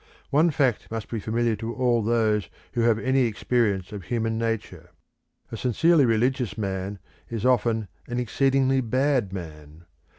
One fact must be familiar to all those who have any experience of human nature a sincerely religious man is often an exceedingly bad man.